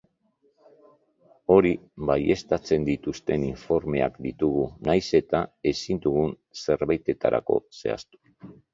Hori baieztatzen dituzten informeak ditugu nahiz eta ezin dugun zenbakirik zehaztu.